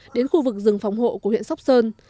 đến khu vực rừng phòng hộ của huyện sóc sơn